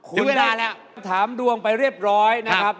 เวลาแล้วถามดวงไปเรียบร้อยนะครับ